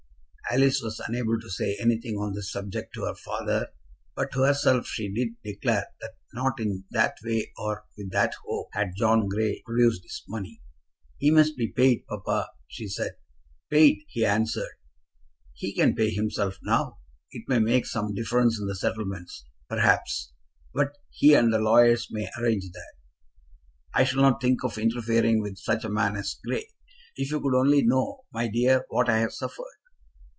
Alice was unable to say anything on this subject to her father, but to herself she did declare that not in that way or with that hope had John Grey produced his money. "He must be paid, papa," she said. "Paid!" he answered; "he can pay himself now. It may make some difference in the settlements, perhaps, but he and the lawyers may arrange that. I shan't think of interfering with such a man as Grey. If you could only know, my dear, what I've suffered!"